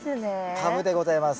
カブでございます。